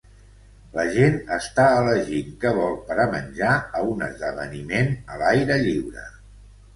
La gent està elegint què vol per a menjar a un esdeveniment a l'aire lliure